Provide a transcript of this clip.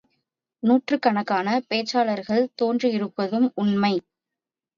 நூற்றுக்கணக்கான பேச்சாளர்கள் தோன்றியிருப்பதும் உண்மை.